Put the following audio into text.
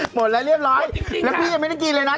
หมดแล้วเรียบร้อยแล้วพี่ยังไม่ได้กินเลยนะ